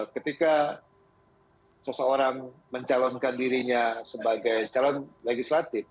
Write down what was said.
ketika seseorang mencalonkan dirinya sebagai calon legislatif